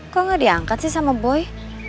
kok gak diangkat sih sama boy